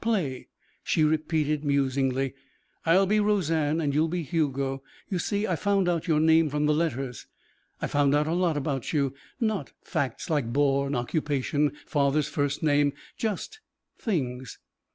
Play," she repeated musingly. "I'll be Roseanne and you'll be Hugo. You see, I found out your name from the letters. I found out a lot about you. Not facts like born, occupation, father's first name; just things."